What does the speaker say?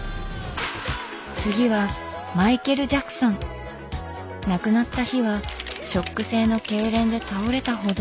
次は亡くなった日はショック性のけいれんで倒れたほど。